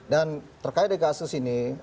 dan terkait dengan kasus ini